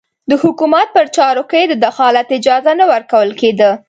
د حکومت په چارو کې د دخالت اجازه نه ورکول کېده.